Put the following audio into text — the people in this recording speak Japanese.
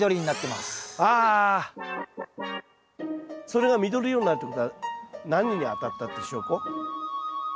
それが緑色になるということは何に当たったって証拠？